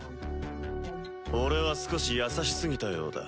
俺は少し優しすぎたようだ。